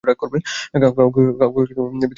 কাউকে ভিতরে আসতে দেখেছো?